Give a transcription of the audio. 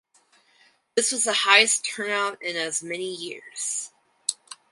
This was the highest turnout in as many years.